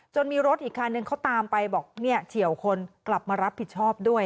มีรถอีกคันนึงเขาตามไปบอกเนี่ยเฉียวคนกลับมารับผิดชอบด้วย